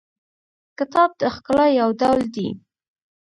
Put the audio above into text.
کتاب د ښکلا یو ډول دی.